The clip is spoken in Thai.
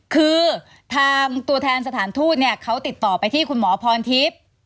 คือตัวแทนสถานทูตเขาติดต่อไปคุณหมอพรทิพย์